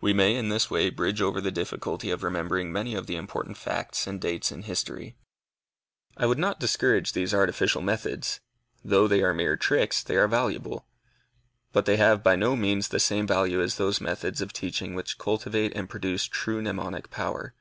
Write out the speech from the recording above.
We may in this way bridge over the difficulty of remembering many of the important facts and dates in history. I would not discourage these artificial methods. Though they are mere tricks, they are valuable. But they have by no means the same value as those methods of teaching which cultivate and produce true mnemonic power.